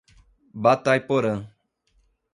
Batayporã